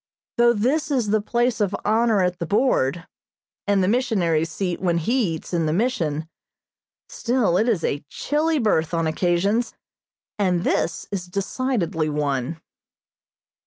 Though this is the place of honor at the board, and the missionary's seat when he eats in the Mission, still it is a chilly berth on occasions, and this is decidedly one.